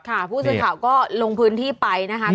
ค่ะผู้สึกข่าวก็ลงพื้นที่ไปนะครับ